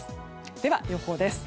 では予報です。